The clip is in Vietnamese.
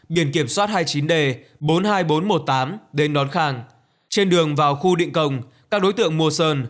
biển kiểm soát hai mươi chín d bốn mươi hai nghìn bốn trăm một mươi tám đến đón hàng trên đường vào khu định công các đối tượng mo sơn